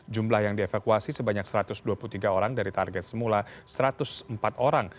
jumlah yang dievakuasi sebanyak satu ratus dua puluh tiga orang dari target semula satu ratus empat orang